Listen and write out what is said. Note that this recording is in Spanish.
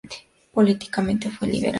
Políticamente fue liberal.